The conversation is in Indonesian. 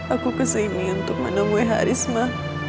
aku kesini untuk menemui haris ma